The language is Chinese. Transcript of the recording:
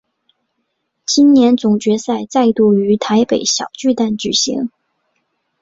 今年总决赛再度于台北小巨蛋举行。